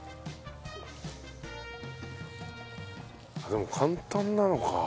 でも簡単なのか。